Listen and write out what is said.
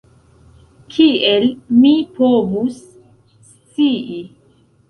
Kiel mi povus scii?